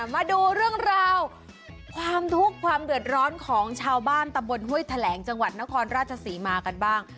มาดูเรื่องราวความทุกข์ความเดือดร้อนของชาวบ้านตำบลห้วยแถลงจังหวัดนครราชศรีมากันบ้าง